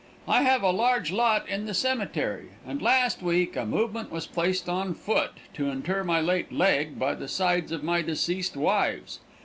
I have a large lot in the semmetery, and last week a movement was placed on foot to inter my late leg by the sides of my deceased wives.